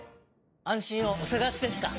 安心をお探しですか？